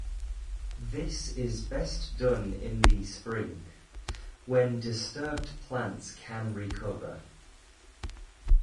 This is best done in the spring, when disturbed plants can recover.